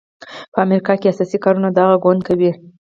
په امریکا کې اساسي کارونه دغه ګوند کوي.